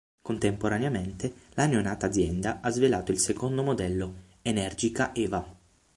Contemporaneamente, la neonata azienda ha svelato il secondo modello, Energica Eva.